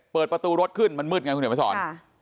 เปิดประตูรถขึ้นมันมืดไงคุณเดี๋ยวมาสอน